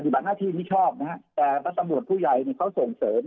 บัติหน้าที่มิชอบนะฮะแต่พระตำรวจผู้ใหญ่เนี่ยเขาส่งเสริม